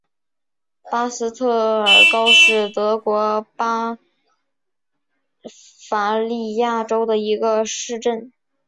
米斯特尔高是德国巴伐利亚州的一个市镇。